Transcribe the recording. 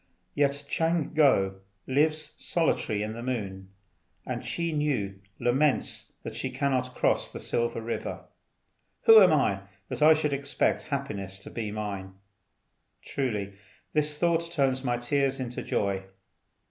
Yet Ch'ang ngo lives solitary in the moon, and Chih Nü laments that she cannot cross the Silver River. Who am I that I should expect happiness to be mine? Truly this thought turns my tears into joy.